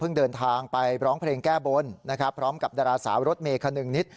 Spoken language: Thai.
เดินทางไปร้องเพลงแก้บนนะครับพร้อมกับดาราสาวรถเมย์คนึงนิด